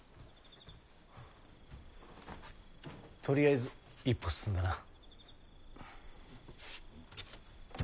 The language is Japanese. とりあえず一歩進んだな。